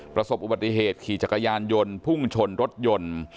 ประสบอุบัติเหตุขี่จักรยานยนต์พุ่งชนรถยนต์